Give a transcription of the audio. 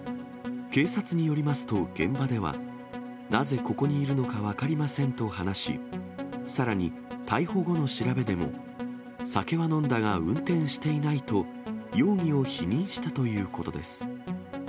警察によりますと、現場では、なぜここにいるのか分かりませんと話し、さらに、逮捕後の調べでも、酒は飲んだが運転していないと、容疑を否認したということです。